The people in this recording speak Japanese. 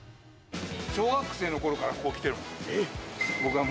小学生のころからここ来てる。